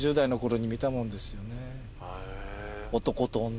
『男と女』？